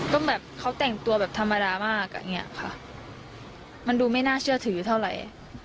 ก็แบบเขาแต่งตัวแบบธรรมดามากอ่ะอย่างเงี้ยค่ะมันดูไม่น่าเชื่อถือเท่าไหร่